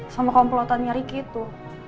sama komplotannya ricky itu